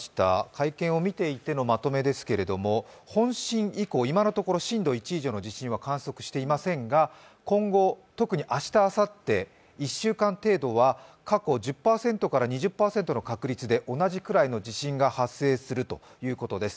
会見を見ていてのまとめですけれども、本震以降、今のところ震度１以上の地震は観測していませんが今後、特に明日あさって、１週間程度は過去１０％から２０％確率で同じぐらいの地震が発生するということです。